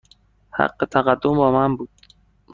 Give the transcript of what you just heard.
حق تقدم با من بود.